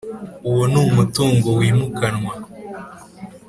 uwo n umutungo wimukanwa